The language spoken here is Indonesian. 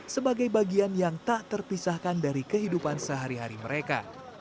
sebagai bagian yang tak terpisahkan dari kehidupan sehari hari mereka